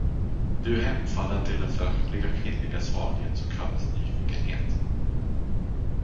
Du hemfallen till den föraktliga kvinnliga svaghet, som kallas nyfikenhet!